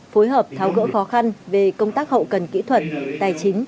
phối hợp tháo gỡ khó khăn về công tác hậu cần kỹ thuật tài chính